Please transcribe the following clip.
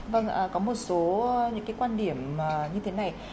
vâng có một số những cái quan điểm như thế này